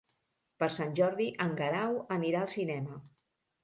Per Sant Jordi en Guerau anirà al cinema.